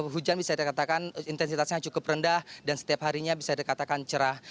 hujan bisa dikatakan intensitasnya cukup rendah dan setiap harinya bisa dikatakan cerah